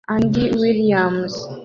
Andy Williams